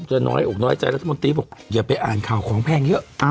น้อยอกน้อยใจรัฐมนตรีบอกอย่าไปอ่านข่าวของแพงเยอะ